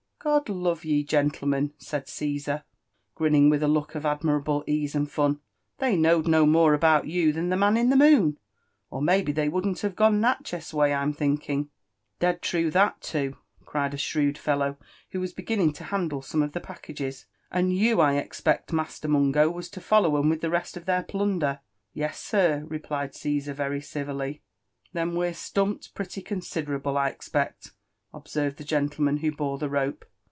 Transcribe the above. "" God love ye, gentlemen !" said Caesar, grinning with a look of admirable ease and fun, " they knowed no more about you than the 1 3S8 LIFE ANB ADVBNTURGS OF man in the moon, or maybe they wouMn't have gone Natchez way, I'm thinking." « p — d trae thai too/' cried a shrewd fdbw who was beginning to handle some of the packages; "and you, I expect, Master Mungo, was to follow 'em with the rest of thetr plunder?" •* Yes, sir," replied Caesar rery civiHy. '* Then we're stumpt pretty considerable,' I expect," obserred the gentleman who bor^ the rope.